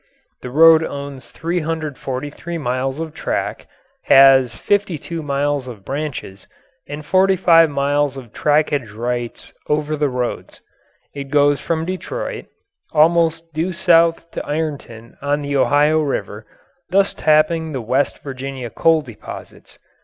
The road owns 343 miles of track, has 52 miles of branches, and 45 miles of trackage rights over other roads. It goes from Detroit almost due south to Ironton on the Ohio River, thus tapping the West Virginia coal deposits.